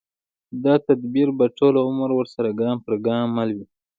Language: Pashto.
دا تدبیر به ټول عمر ورسره ګام پر ګام مل وي